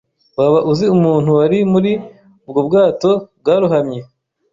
Waba uzi umuntu wari muri ubwo bwato bwarohamye?